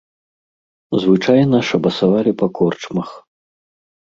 Звычайна шабасавалі па корчмах.